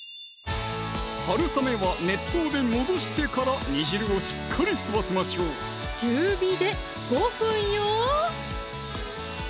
はるさめは熱湯で戻してから煮汁をしっかり吸わせましょう中火で５分よ！